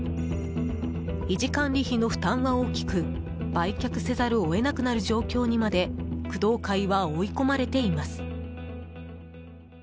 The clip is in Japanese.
維持管理費の負担は大きく売却せざるを得なくなる状況にまで工藤会は追い込まれています。